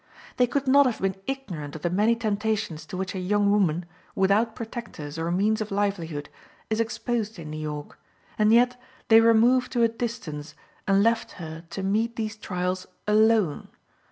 They could not have been ignorant of the many temptations to which a young woman, without protectors or means of livelihood, is exposed in New York, and yet they removed to a distance, and left her to meet these trials alone.